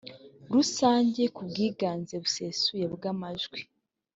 rusange ku bwiganze busesuye bw amajwi